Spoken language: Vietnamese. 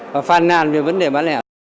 và phàn nàn về vấn đề bán lẻ